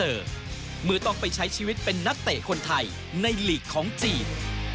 เมื่อต้องไปใช้ชีวิตเป็นนักเตะคนไทยในลีกของจีน